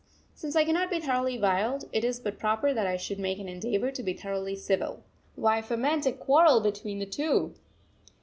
Since I cannot be thoroughly wild, it is but proper that I should make an endeavour to be thoroughly civil. Why foment a quarrel between the two?